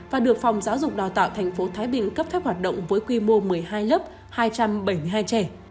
và được phòng giáo dục đào tạo tp thái bình cấp phép hoạt động với quy mô một mươi hai lớp hai trăm bảy mươi hai trẻ